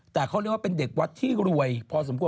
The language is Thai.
แต่เขาเรียกว่าเป็นเด็กวัดที่รวยพอสมควร